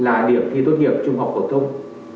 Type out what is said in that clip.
là điểm thi tốt nghiệp trung học của thông